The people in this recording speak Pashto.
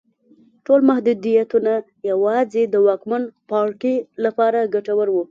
ټول محدودیتونه یوازې د واکمن پاړکي لپاره ګټور وو.